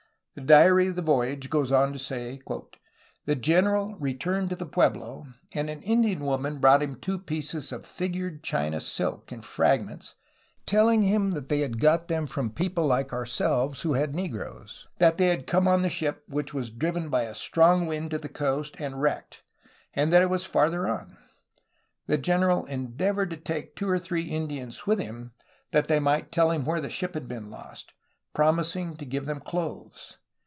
the diary of the voyage goes on to say : "The general returned to the pueblo, and an Indian woman brought him two pieces of figured China silk, in fragments, telling him that they had got them from people like ourselves, who had negroes; that they had come on the ship which was driven by a strong wind to the coast and wrecked, and that it was farther on. The general endeavored to take two or three Indians with him, that they might tell him where the ship had been lost, promising to give them clothes.